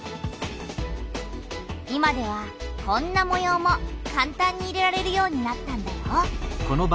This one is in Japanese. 今ではこんなもようもかんたんに入れられるようになったんだよ。